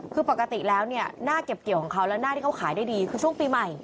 คือปกติแล้วเนี่ยหน้าเก็บเกี่ยวของเขาและหน้าที่เขาขายได้ดีคือช่วงปีใหม่